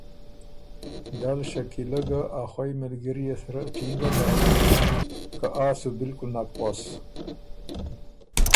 دل شکیلۀ ګۀ ا خوئ مِلګريې سرۀ ټینګه داک بُک که ”آ“سوبالکل نک غؤس